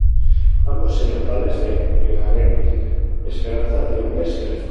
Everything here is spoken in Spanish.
Ambos serían padres de Eärendil, esperanza de Hombres y Elfos.